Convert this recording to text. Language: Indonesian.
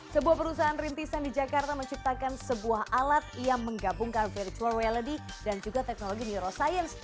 sebuah perusahaan rintisan di jakarta menciptakan sebuah alat yang menggabungkan virtual reality dan juga teknologi neuroscience